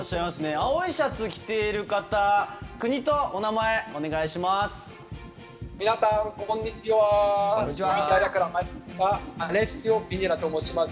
青いシャツ着ている方国とお名前、お願いします。